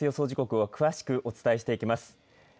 時刻を詳しくお伝えしていきます。